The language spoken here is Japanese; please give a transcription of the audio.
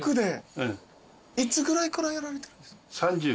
いつぐらいからやられてるんですか？